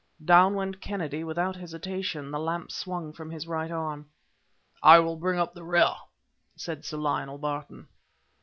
Down went Kennedy without hesitation, the lamp swung from his right arm. "I will bring up the rear," said Sir Lionel Barton.